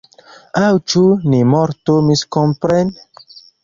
Aŭ ĉu ni mortu miskomprene?